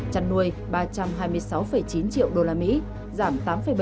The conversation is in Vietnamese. chăn nuôi ba trăm hai mươi sáu chín triệu usd giảm tám bảy